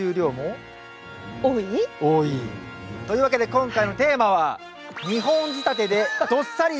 というわけで今回のテーマはお！